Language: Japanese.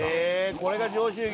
これが上州牛。